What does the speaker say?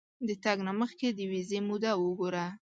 د تګ نه مخکې د ویزې موده وګوره.